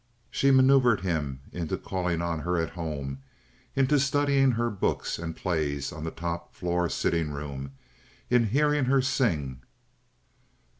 She manoeuvered him into calling on her at her home, into studying her books and plays on the top floor sitting room, into hearing her sing.